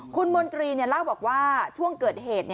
คุณมนตรีเล่าบอกว่าช่วงเกิดเหตุ